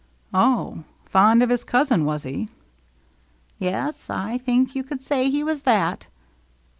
" Oh, fond of his cousin, was he ?"" Yes, I think you could say he was that."